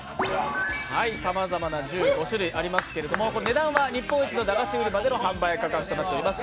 さまざまな１５種類ありますけれども値段は日本一のだがし売場での販売価格となっています。